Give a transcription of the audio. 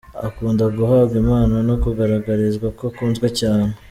Akunda guhabwa impano no kugaragarizwa ko akunzwe cyane.